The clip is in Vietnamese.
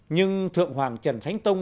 nhưng thượng hoàng trần thánh tông